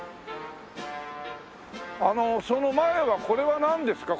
その前はこれはなんですか？